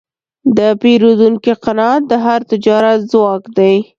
د پیرودونکي قناعت د هر تجارت ځواک دی.